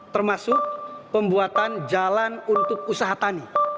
termasuk pembuatan jalan untuk usaha tani